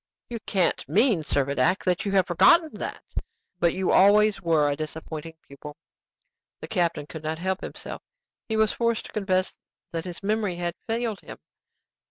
"You can't mean, Servadac, that you have forgotten that? But you always were a disappointing pupil." The captain could not help himself: he was forced to confess that his memory had failed him.